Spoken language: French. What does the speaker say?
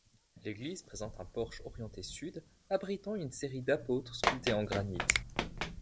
L'église présente un porche orienté sud, abritant une série d'apôtres sculptés en granit.